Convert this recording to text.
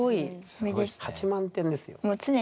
８万点ですよ。